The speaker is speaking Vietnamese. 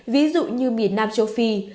ví dụ như miền nam châu phi